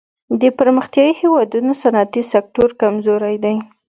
د پرمختیايي هېوادونو صنعتي سکتور کمزوری دی.